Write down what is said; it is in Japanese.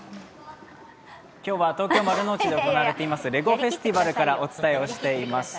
今日は東京・丸の内で行われてるレゴフェスティバルをお伝えします。